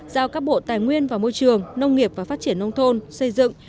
giao các bộ tài nguyên và môi trường nông nghiệp và phát triển nông thôn xây dựng